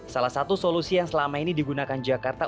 salah satu solusi yang selama ini digunakan jakarta